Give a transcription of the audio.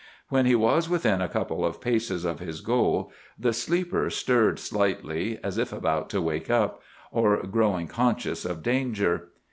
When he was within a couple of paces of his goal, the sleeper stirred slightly, as if about to wake up, or growing conscious of danger.